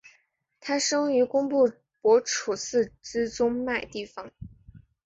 他生于工布博楚寺之中麦地方。